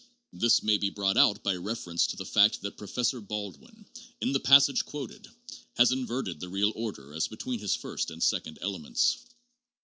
This may be brought out by reference to the fact that Professor Baldwin, in the passage quoted, has inverted the real order as between his first and second elements.